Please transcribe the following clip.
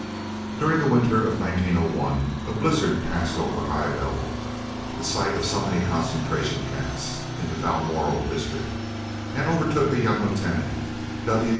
During the winter of 1901 a blizzard passed over the High Veld, the site of so many Concentration Camps, in the Balmoral district, and overtook a young lieutenant, W.